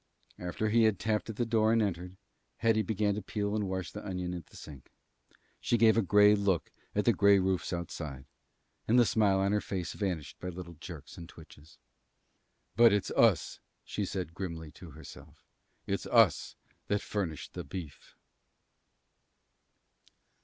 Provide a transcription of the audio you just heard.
After he had tapped at the door and entered, Hetty began to peel and wash the onion at the sink. She gave a gray look at the gray roofs outside, and the smile on her face vanished by little jerks and twitches. "But it's us," she said, grimly, to herself, "it's us that furnished the beef."